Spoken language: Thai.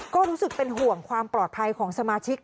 ก็รู้สึกเป็นห่วงความปลอดภัยของสมาชิก